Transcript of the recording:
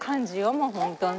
もう本当に。